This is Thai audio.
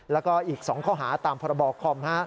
แล้วก็อีก๒ข้อหาตามพรบคอม